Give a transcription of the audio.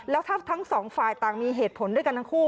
แล้วถ้าทั้งสองฝ่ายต่างมีเหตุผลด้วยกันทั้งคู่